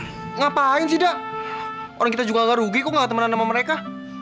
ngapain sih dak orang kita juga gak rugi kok gak temenan sama mereka